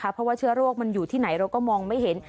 เพราะว่าเชื้อโรคมันอยู่ที่ไหนเราก็มองไม่เห็น